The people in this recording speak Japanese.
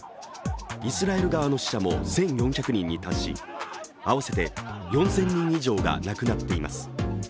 イスラエル側の死者も１４００人に達し合わせて４０００人以上が亡くなっています。